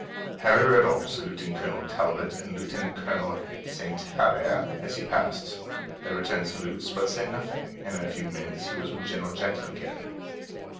Harry rode on, saluting Colonel Talbot and Lieutenant Colonel St. Hilaire as he passed. They returned the salutes, but said nothing, and in a few minutes he was with General Jackson again.